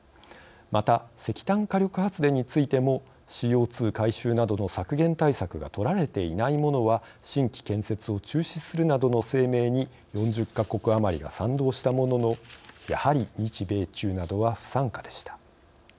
また石炭火力発電についてもＣＯ２回収などの削減対策が取られていないものは新規建設を中止するなどの声明に４０か国余りが賛同したもののやはり日米中などは不参加でした。